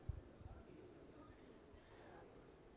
jika anak anak mudanya tidak bisa diberikan pekerjaan yang baik